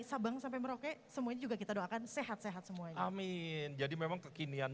sabang sampai merauke semuanya juga kita doakan sehat sehat semuanya amin jadi memang kekinian